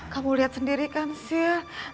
kamu lihat sendiri kan sir